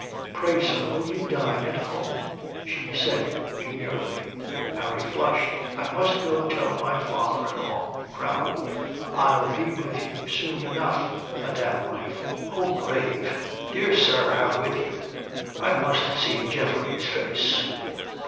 "Pray, sir, will you dine at home?" she said demurely. Harry flushed. "I must go tell my father and all," he growled. "I'll be with you soon enough, madame wife." "Oh brave! Dear sir, have with you. I must see Geoffrey's face."